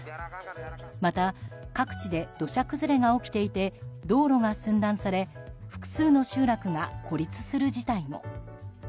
また、各地で土砂崩れが起きていて道路が寸断され複数の集落が孤立する事態も。